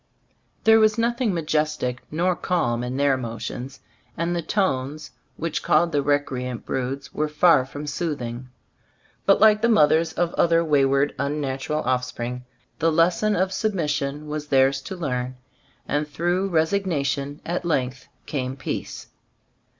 There was nothing ma jestic nor calm in their motions, and the tones which called the recreant broods were far from soothing; but like the mothers of other wayward, unnatural offspring, the lesson of sub mission was theirs to learn ; and through resignation at length came peace.